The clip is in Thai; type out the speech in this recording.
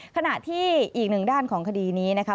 ขณะที่อีกหนึ่งด้านของคดีนี้นะคะ